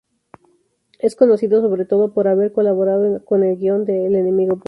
Es conocido sobre todo por haber colaborado en el guion de "El enemigo público".